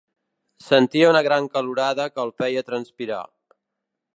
Sentia una gran calorada que el feia transpirar.